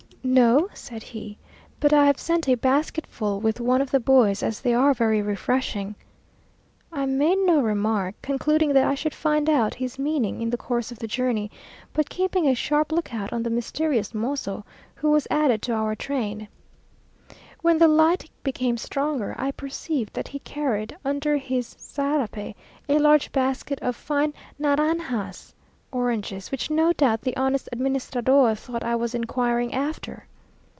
"No," said he, "but I have sent a basketful with one of the boys, as they are very refreshing." I made no remark, concluding that I should find out his meaning in the course of the journey, but keeping a sharp look out on the mysterious mozo, who was added to our train. When the light became stronger, I perceived that he carried under his sarape a large basket of fine naranjas (oranges), which no doubt the honest administrador thought I was inquiring after.